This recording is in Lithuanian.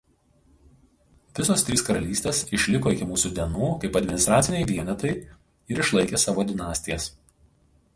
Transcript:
Visos trys karalystės išliko iki mūsų dienų kaip administraciniai vienetai ir išlaikė savo dinastijas.